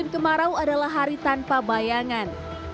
kemarau adalah hari tanpa bayangan